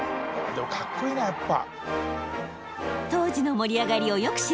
かっこいいなやっぱ。